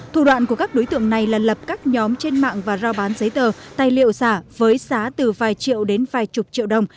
thủ đoạn của các đối tượng này là lập các nhóm trên mạng và rao bán giấy tờ tài liệu giả với giá từ vài triệu đến vài chục triệu đồng